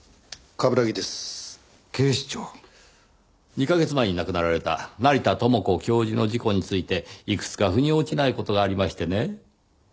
２カ月前に亡くなられた成田知子教授の事故についていくつか腑に落ちない事がありましてねぇ。